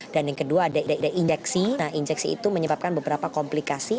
dan yang kedua ada indeksi nah indeksi itu menyebabkan beberapa komplikasi